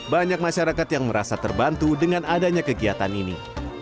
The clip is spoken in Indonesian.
banyak masyarakat yang merasa terbantu dengan adanya kegiatan ini